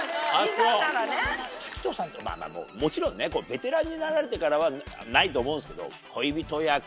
滝藤さんってもちろんねベテランになられてからはないと思うんですけど。